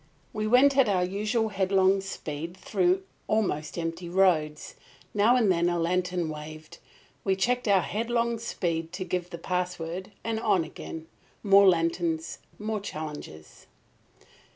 We went at our usual headlong speed through almost empty roads. Now and then a lantern waved. We checked our headlong speed to give the password, and on again. More lanterns; more challenges.